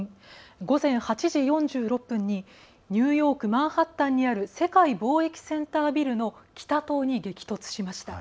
午前８時４６分にニューヨーク・マンハッタンにある、世界貿易センタービルの北棟に激突しました。